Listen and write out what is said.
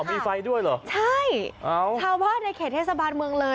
มีไฟด้วยเหรอใช่ชาวบ้านในเขตเทศบาลเมืองเลย